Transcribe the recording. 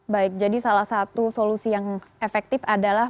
baik jadi salah satu solusi yang efektif adalah